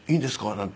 なんて。